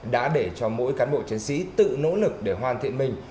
đã để cho mỗi cán bộ chiến sĩ tự nỗ lực để hoàn thiện mình